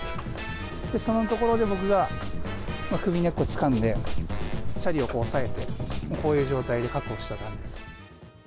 そのところで僕が首根っこつかんで、チャリをこう押さえて、こういう状態で確保した感じです。